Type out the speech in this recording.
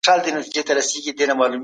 کمپيوټر شيان ريسايکل کوي.